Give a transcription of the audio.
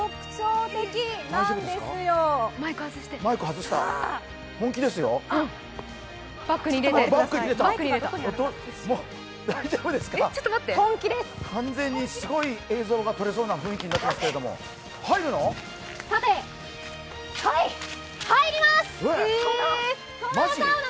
ちょっと待って、完全にすごい映像が撮れそうな雰囲気になってますけど、入るの？